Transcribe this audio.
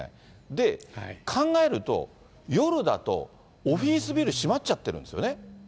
で、考えると、夜だとオフィスビル閉まっちゃってるんですよね。